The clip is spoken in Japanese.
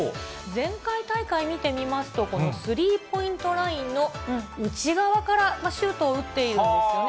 前回大会見てみますと、このスリーポイントラインの内側からシュートを打っているんですよね。